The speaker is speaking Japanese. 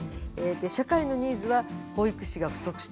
社会のニーズは保育士が不足していると。